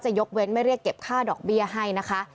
ยกเว้นไม่เรียกเก็บค่าดอกเบี้ยให้นะคะ